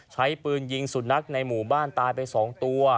ใช้ปืนยิงสุนัขในหมู่บ้านตายไป๒ตัว